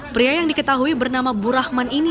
pria yang diketahui bernama bu rahman ini